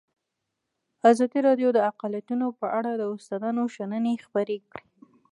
ازادي راډیو د اقلیتونه په اړه د استادانو شننې خپرې کړي.